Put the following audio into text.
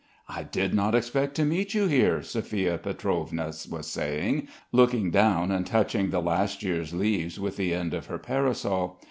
"I did not expect to meet you here," Sophia Pietrovna was saying, looking down and touching the last year's leaves with the end of her parasol.